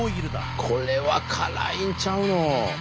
これは辛いんちゃうの？